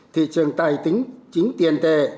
thị trường tài chính tiền tệ